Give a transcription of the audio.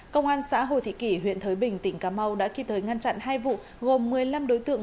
công an xã hồ thị kỷ huyện thới bình tỉnh cà mau đã kịp thời ngăn chặn hai vụ gồm một mươi năm đối tượng